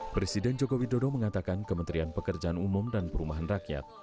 presiden joko widodo mengatakan kementerian pekerjaan umum dan perumahan rakyat